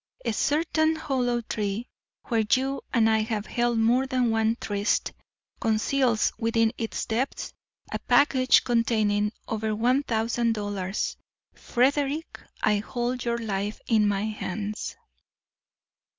A certain hollow tree, where you and I have held more than one tryst, conceals within its depths a package containing over one thousand dollars. Frederick, I hold your life in my hands."